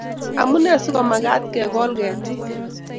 Amune si komagat kegol ketik?